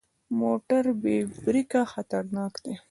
موټر بې بریکه خطرناک دی.